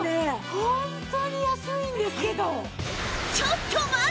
ホントに安いんですけど！